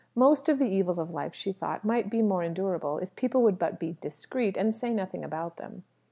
Most of the evils of life, she thought, might be more endurable if people would but be discreet, and say nothing about them.